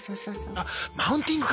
あっマウンティングか！